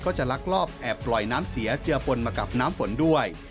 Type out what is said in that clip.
จะลักลอบแอบปล่อยน้ำเสียเจือปนมากับน้ำฝนด้วย